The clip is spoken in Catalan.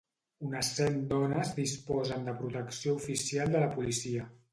Unes cent dones disposen de protecció oficial de la policia.